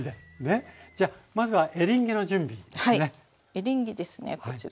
エリンギですねこちら。